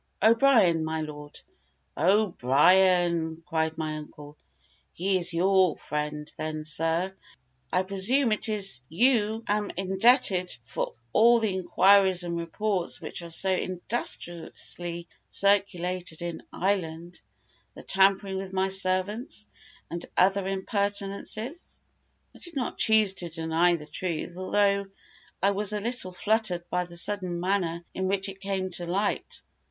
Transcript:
"O'Brien, my lord." "O'Brien!" cried my uncle, "he is your friend; then, sir, I presume it is you am indebted for all the inquiries and reports which are so industriously circulated in Ireland the tampering with my servants and other impertinences?" I did not choose to deny the truth, although I was a little fluttered by the sudden manner in which it came to light.